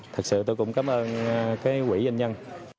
thật sự tôi cũng cảm ơn quỹ doanh nhân